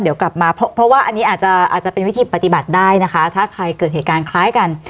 เดี๋ยวกลับมาเพราะว่าอันนี้อาจจะอาจจะเป็นวิธีปฏิบัติได้นะคะถ้าใครเกิดเหตุการณ์คล้ายกัน